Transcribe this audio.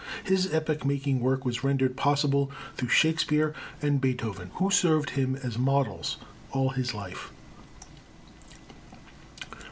His epoch making work was rendered possible through Shakespeare and Beethoven, who served him as models all his life.